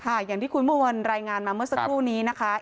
ค่ะอย่างที่คุณมวลรายงานมาเมื่อสักครู่นี้นะคะ